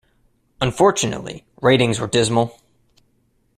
Unfortunately, ratings were dismal.